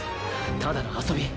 ただの遊び。